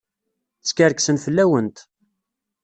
Skerksen fell-awent.